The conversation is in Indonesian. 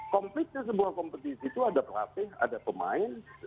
komplitnya sebuah kompetisi itu ada pelatih ada pemain